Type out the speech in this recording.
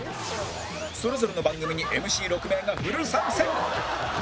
それぞれの番組に ＭＣ６ 名がフル参戦！